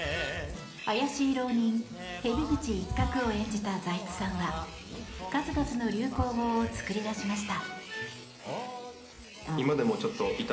怪しい浪人、蛇口一角を演じた財津さんは数々の流行語を作り出しました。